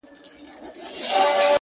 o د پښتو اشعار يې دُر لعل و مرجان کړه,